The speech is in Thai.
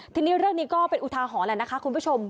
ทีนี้เรื่องนี้ก็เป็นอุทาหรณ์แหละนะคะคุณผู้ชม